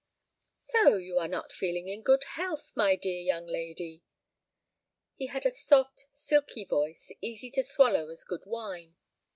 "So you are not feeling in good health, my dear young lady." He had a soft, silky voice, easy to swallow as good wine.